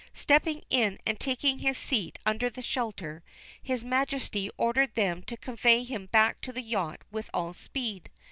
Stepping in and taking his seat under the shelter, his Majesty ordered them to convey him back to the yacht with all speed.